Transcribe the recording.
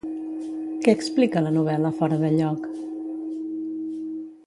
Què explica la novel·la Fora de lloc?